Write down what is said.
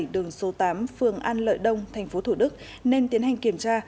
đường số tám phường an lợi đông tp hcm nên tiến hành kiểm tra